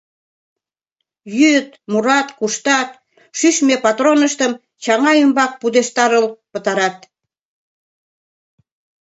Йӱыт, мурат, куштат, шӱшмӧ патроныштым чаҥа ӱмбак пудештарыл пытарат.